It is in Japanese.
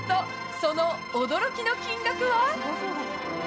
その驚きの金額は。